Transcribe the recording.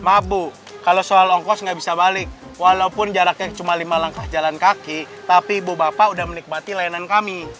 mabu kalau soal ongkos nggak bisa balik walaupun jaraknya cuma lima langkah jalan kaki tapi ibu bapak udah menikmati layanan kami